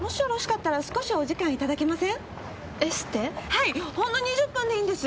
はいほんの２０分でいいんです。